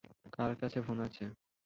কার কাছে ফোন আছে।